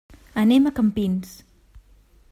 Anem a Campins.